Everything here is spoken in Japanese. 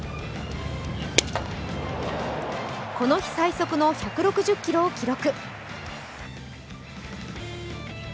この日、最速の１６０キロを記録。